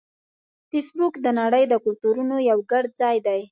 فېسبوک د نړۍ د کلتورونو یو ګډ ځای دی